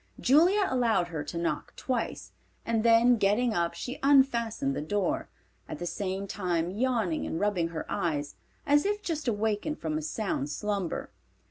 Julia allowed her to knock twice, and then getting up she unfastened the door, at the same time yawning and rubbing her eyes as if just awakened from a sound slumber.